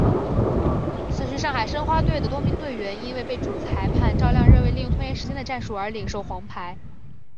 此时上海申花队的多名队员因为被主裁判赵亮认为利用拖延时间的战术而领受黄牌。